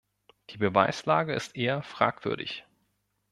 Die Beweislage ist eher fragwürdig.